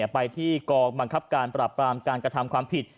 ไปที่กองบังคับการปราบปรามการกระทำความผิด